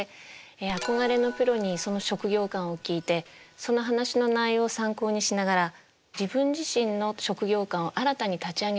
憧れのプロにその「職業観」を聞いてその話の内容を参考にしながら自分自身の「職業観」を新たに立ち上げていく。